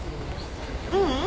ううん。